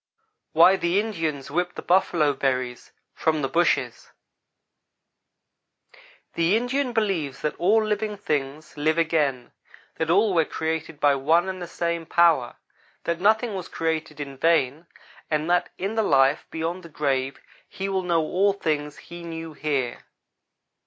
WHY THE INDIANS WHIP THE BUFFALO BERRIES FROM THE BUSHES THE Indian believes that all things live again; that all were created by one and the same power; that nothing was created in vain; and that in the life beyond the grave he will know all things that he knew here.